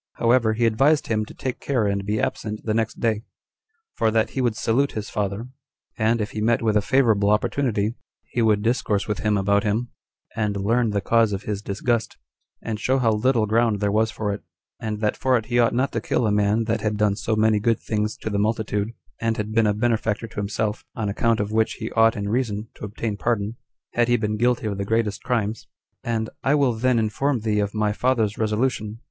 However, he advised him to take care and be absent the next day, for that he would salute his father, and, if he met with a favorable opportunity, he would discourse with him about him, and learn the cause of his disgust, and show how little ground there was for it, and that for it he ought not to kill a man that had done so many good things to the multitude, and had been a benefactor to himself, on account of which he ought in reason to obtain pardon, had he been guilty of the greatest crimes; and "I will then inform thee of my father's resolution."